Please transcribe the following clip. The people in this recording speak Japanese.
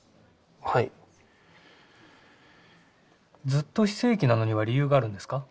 ずっと非正規なのには理由があるんですか？